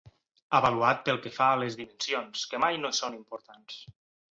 Avaluat pel que fa a les dimensions, que mai no són importants.